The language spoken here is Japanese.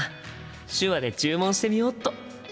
手話で注文してみよっと！